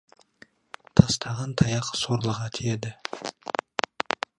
Тастаған таяқ сорлыға тиеді.